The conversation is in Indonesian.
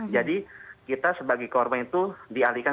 jadi kita sebagai kewarganya itu dialihkan